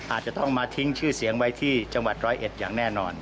อาจจะต้องมาทิ้งชื่อเสียงไว้ที่จังหวัดร้อยเอ็ดอย่างแน่นอน